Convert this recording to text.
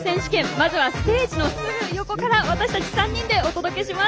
まずはステージのすぐ横から私たち３人でお届けします。